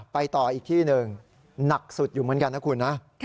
ไปต่ออีกที่หนึ่งหนักสุดอยู่เหมือนกันนะคุณนะ